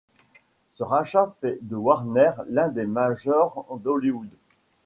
Ce rachat fait de Warner l'un des majors d'Hollywood.